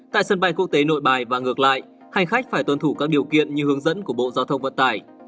tại sân bay quốc tế nội bài và ngược lại hành khách phải tuân thủ các điều kiện như hướng dẫn của bộ giao thông vận tải